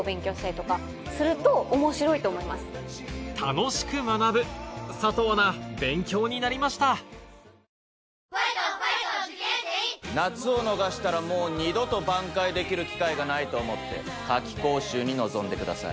楽しく学ぶ佐藤アナ勉強になりました夏を逃したらもう二度と挽回できる機会がないと思って夏期講習に臨んでください。